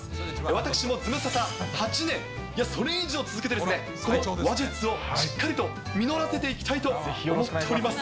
私もズムサタ８年、いや、それ以上続けて、この話術をしっかりと実らせていきたいと思っております。